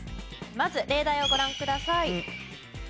まず例題をご覧ください。